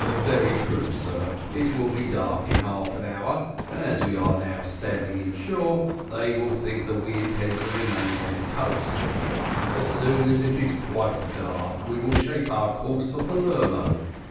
"Very true, sir. It will be dark in half an hour, and as we are now standing inshore, they will think that we intend to remain on the coast. As soon as it is quite dark we will shape our course for Palermo.